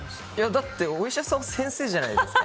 だって、お医者さんは先生じゃないですか。